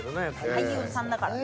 俳優さんだからね。